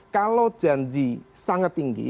kalau janji sangat tinggi